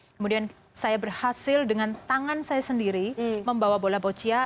kemudian saya berhasil dengan tangan saya sendiri membawa bola boccia